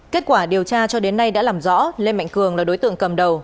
kết quả điều tra cho đến nay đã làm rõ lê mạnh cường là đối tượng cầm đầu